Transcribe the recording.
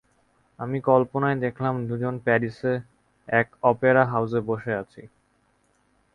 আমি কল্পনায় দেখালাম দুজনে প্যারিসে, এক অপেরা হাউজে বসে আছি।